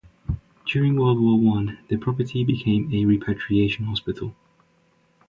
During World War One the property became a repatriation hospital.